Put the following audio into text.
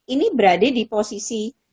ini berada di posisi